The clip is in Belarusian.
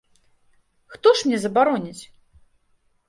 Хто ж мне забароніць?